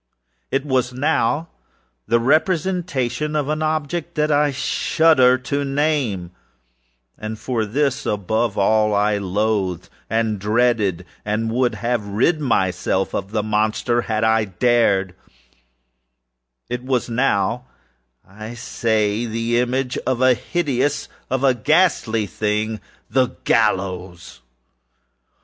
It was now the representation of an object that I shudder to nameâand for this, above all, I loathed, and dreaded, and would have rid myself of the monster _had I dared_âit was now, I say, the image of a hideousâof a ghastly thingâof the GALLOWS!